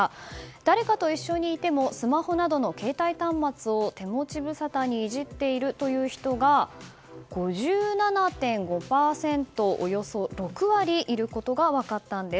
誰かと一緒にいてもスマホなどの携帯端末を手持無沙汰にいじっているという人が５７．５％およそ６割いることが分かったんです。